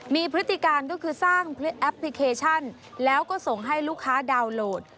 มีพฤติการก็คือสร้างแอปพลิเคชันแล้วก็ส่งให้ลูกค้าดาวน์โหลด